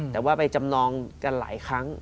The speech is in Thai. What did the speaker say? แต่ว่าไปจำนองกันหลายครั้ง